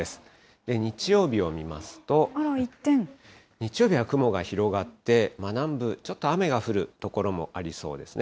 日曜日は雲が広がって、南部、ちょっと雨が降る所もありそうですね。